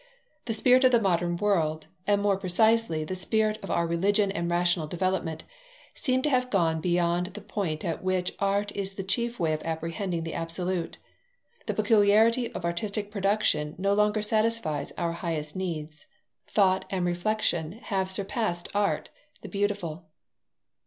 The spirit of the modern world, and more precisely the spirit of our religion and rational development, seem to have gone beyond the point at which art is the chief way of apprehending the Absolute. The peculiarity of artistic production no longer satisfies our highest needs. Thought and reflexion have surpassed art, the beautiful.